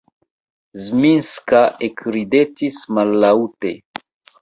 Zminska ekridetis mallaŭte